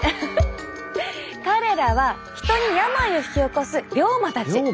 彼らは人に病を引き起こす病魔たち。